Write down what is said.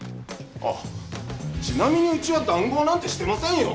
あっちなみにうちは談合なんてしてませんよ。